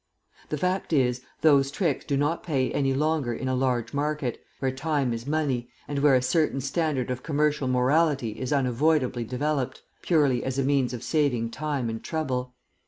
The fact is, those tricks do not pay any longer in a large market, where time is money, and where a certain standard of commercial morality is unavoidably developed, purely as a means of saving time and trouble.